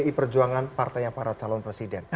pdi perjuangan partainya para calon presiden